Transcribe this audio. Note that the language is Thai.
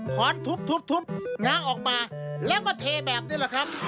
ขอนทุบง้างออกมาแล้วก็เทแบบนี้แหละครับ